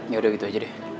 yaudah gitu aja deh